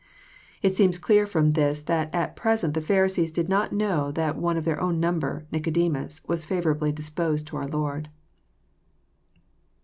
It seems clear Arom this that at present the Pharisees did not know that one of their own number; Nicodemus, was favourably disposed to our Lord.